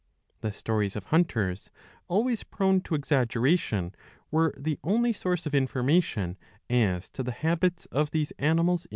The stories of hunters, always prone to exaggeration, / /were the only source of information as to the habits of these animals ^».